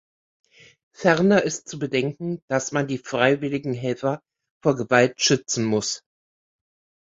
Ferner ist zu bedenken, dass man die freiwilligen Helfer vor Gewalt schützen muss.